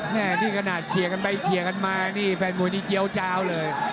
แม่นี่ขนาดเคลียร์กันไปเคลียร์กันมานี่แฟนมวยนี่เจี๊ยวเจ้าเลย